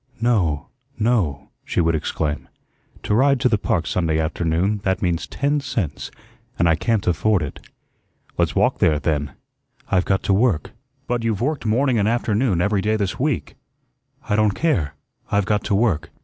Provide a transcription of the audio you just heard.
"No, no," she would exclaim. "To ride to the park Sunday afternoon, that means ten cents, and I can't afford it." "Let's walk there, then." "I've got to work." "But you've worked morning and afternoon every day this week." "I don't care, I've got to work."